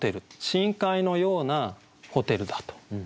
深海のようなホテルだと。